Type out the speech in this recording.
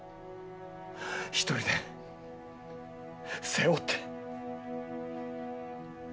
１人で背負って。